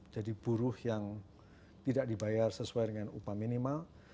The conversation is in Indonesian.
buruh yang tidak dibayar sesuai dengan upah minimal